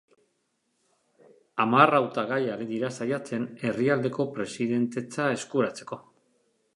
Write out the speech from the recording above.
Hamar hautagai ari dira saiatzen, herrialdeko presidentetza eskuratzeko.